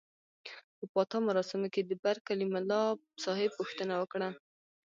په پاتا مراسمو کې د برکلي ملاصاحب پوښتنه وکړه.